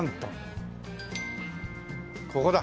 ここだ。